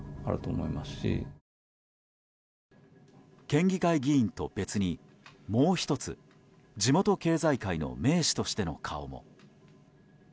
県議会議員と別に、もう１つ地元経済界の名士としての顔も。